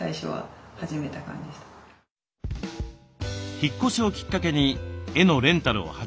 引っ越しをきっかけに絵のレンタルを始めたそうです。